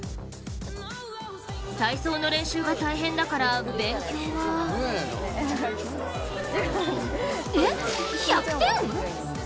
体操の練習が大変だから、勉強はえ！？１００点！？